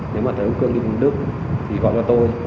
nếu mà thấy ông cường đi đến đức thì gọi cho tôi